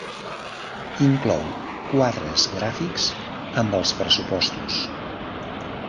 Inclou quadres gràfics amb els pressupostos.